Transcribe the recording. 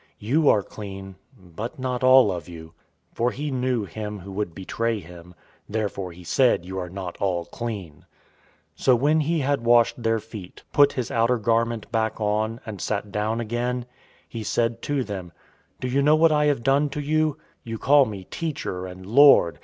You are clean, but not all of you." 013:011 For he knew him who would betray him, therefore he said, "You are not all clean." 013:012 So when he had washed their feet, put his outer garment back on, and sat down again, he said to them, "Do you know what I have done to you? 013:013 You call me, 'Teacher' and 'Lord.'